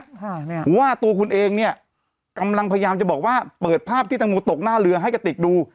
ค่ะเนี้ยว่าตัวคุณเองเนี้ยกำลังพยายามจะบอกว่าเปิดภาพที่ตังโมตกหน้าเรือให้กระติกดู